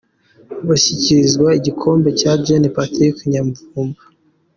Bashyikirizwa igikombe na Gen Patrick Nyamvumba.